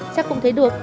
chắc không thấy được